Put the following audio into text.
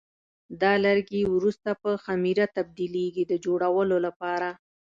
دا لرګي وروسته په خمېره تبدیلېږي د جوړولو لپاره.